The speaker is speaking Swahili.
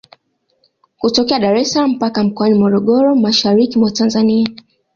Kutokea Dar es salaam mpaka Mkoani Morogoro mashariki mwa Tanzania